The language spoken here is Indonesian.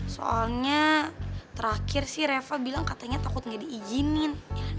soalnya terakhir sih reva bilang katanya takut gak diijinin